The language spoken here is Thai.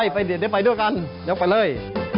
เดี๋ยวไปด้วยกันเดี๋ยวไปเลย